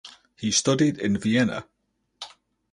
He studied in Vienna.